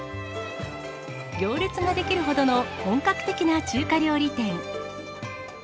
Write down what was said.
行列が出来るほどの本格的な中華料理店。